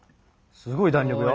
すごい弾力よ。